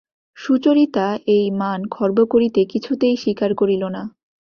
সুচরিতা এই মান খর্ব করিতে কিছুতেই স্বীকার করিল না।